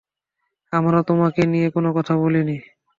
আমরা তোমাকে নিয়ে কোন কথা বলিনি।